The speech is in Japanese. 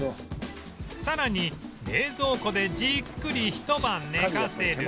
さらに冷蔵庫でじっくりひと晩寝かせる